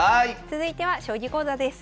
続いては将棋講座です。